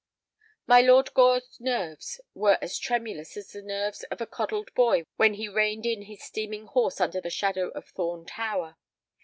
My Lord Gore's nerves were as tremulous as the nerves of a coddled boy when he reined in his steaming horse under the shadow of Thorn tower.